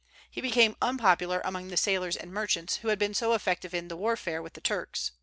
He became unpopular among the sailors and merchants, who had been so effective in the warfare with the Turks.